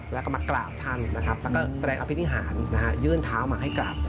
แล้วก็มากราบท่านนะครับแล้วก็แสดงอภินิหารยื่นเท้ามาให้กราบ